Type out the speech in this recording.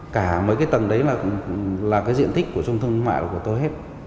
cả mấy cái tầng đấy là cái diện tích của trung thương mại của tôi hết